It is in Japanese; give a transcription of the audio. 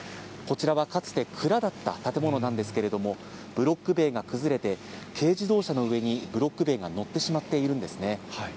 こちらはかつて、蔵だった建物なんですけれども、ブロック塀が崩れて、軽自動車の上にブロック塀が載ってしまっているんですね。